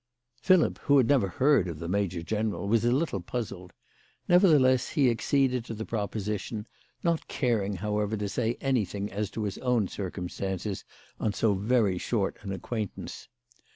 Philip, who had never heard of the major general, was a little puzzled; nevertheless, he acceded to the pro position, not caring, however, to say anything as to his own circumstances on so very short an acquaintance.